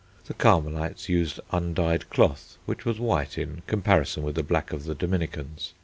The Carmelites used undyed cloth, which was white in comparison with the black of the Dominicans.